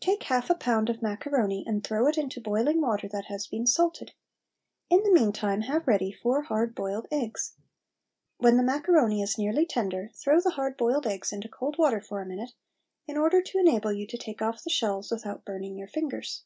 Take half a pound of macaroni and throw it into boiling water that has been salted. In the meantime have ready four hard boiled eggs. When the macaroni is nearly tender throw the hard boiled eggs into cold water for a minute, in order to enable you to take off the shells without burning your fingers.